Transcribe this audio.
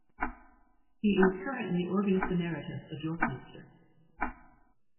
He is currently Organist Emeritus of York Minster.